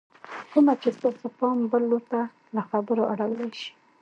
کومه چې ستاسې پام بل لور ته له خبرو اړولی شي